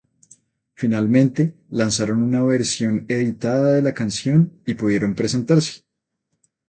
Finalmente, lanzaron una versión editada de la canción y pudieron presentarse.